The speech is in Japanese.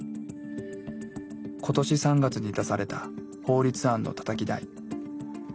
今年３月に出された法律案のたたき台。